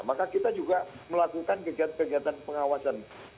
maka kita juga melakukan kegiatan kegiatan pengawasan